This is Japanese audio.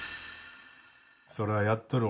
それはやっとる